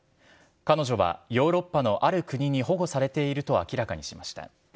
彼女はヨーロッパのある国に保護されていると明らかにしました。